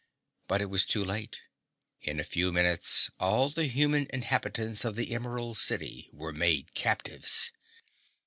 But it was too late. In a few minutes, all the human inhabitants of the Emerald City were made captives.